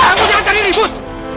kamu jangan cari riri but